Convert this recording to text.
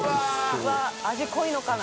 うわっ味濃いのかな？